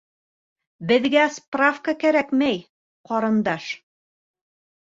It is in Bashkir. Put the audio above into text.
Беҙгә справка кәрәкмәй, ҡарындаш.